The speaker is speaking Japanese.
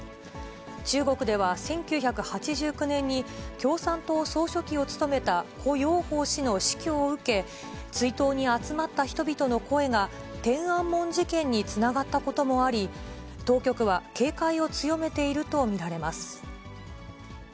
中国では、１９８９年に共産党総書記を務めた胡耀邦氏の死去を受け、追悼に集まった人々の声が天安門事件につながったこともあり、当局は警戒を強めていると見られます。